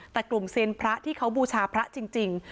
แต่กลุ่มเซียนพระที่เขาบูชาพระจริง